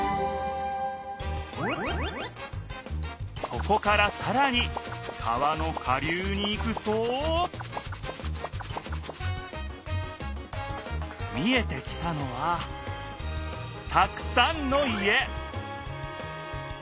そこからさらに川の下流に行くと見えてきたのはたくさんの家！